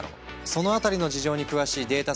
その辺りの事情に詳しいデータ